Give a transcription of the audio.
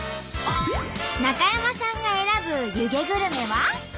中山さんが選ぶ湯気グルメは？